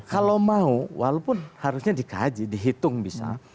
kalau mau walaupun harusnya dikaji dihitung bisa